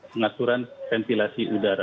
pengaturan ventilasi udara